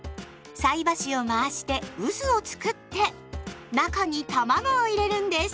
菜箸を回して渦をつくって中にたまごを入れるんです。